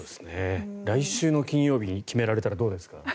来週の金曜日に決められたらどうですか？